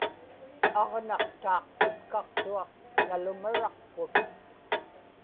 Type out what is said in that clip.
aġnaq taaqtipkaqtuaq nalumaraqput